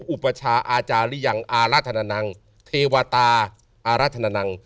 อุปชาอาจารย์ยังอาราธนนังเทวตาอาราธนนัง